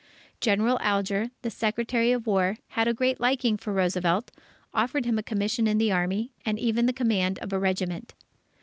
General Alger, the Secretary of War, had a great liking for Roosevelt, offered him a commission in the Army, and even the command of a regiment.